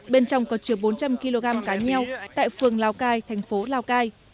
bên trong có chứa bốn trăm linh kg cá nheo tại phường lào cai thành phố lào cai